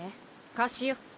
貸しよ。